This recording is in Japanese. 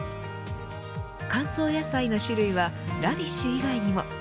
乾燥野菜の種類はラディッシュ以外にも。